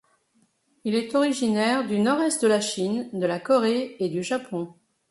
Il est originaire du nord-est de la Chine, de la Corée et du Japon.